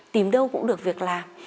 tìm đâu cũng được việc làm